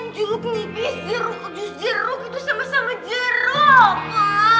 jeruk nipis jus jeruk itu sama sama jeruk